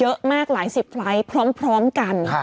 เยอะมากหลายสิบไฟล์ตพร้อมกัน